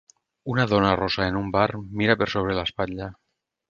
Una dona rossa en un bar mira per sobre l'espatlla.